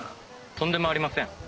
とんでもありません。